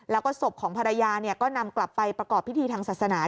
แล้วก็ศพของภรรยาก็นำกลับไปประกอบพิธีทางศาสนา